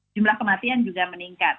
jumlah kematian juga meningkat